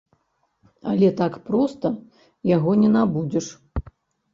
Але так проста яго не набудзеш.